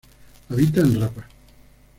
Habita en Rapa.